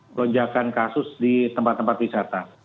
lonjakan kasus di tempat tempat wisata